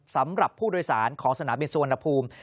สำหรับผู้โดยสารของสนามบินสุวรรณภูมิ